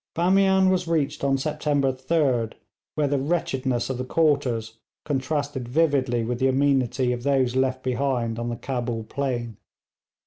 Bamian was reached on September 3d, where the wretchedness of the quarters contrasted vividly with the amenity of those left behind on the Cabul plain.